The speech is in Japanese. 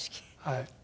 はい。